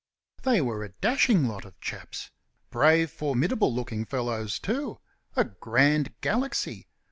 They were a dashing lot of chaps brave, formidable looking fellows, too. A grand galaxy.